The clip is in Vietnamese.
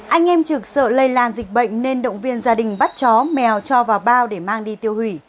anh em trực sợ lây lan dịch bệnh nên động viên gia đình bắt chó mèo cho vào bao để mang đi tiêu hủy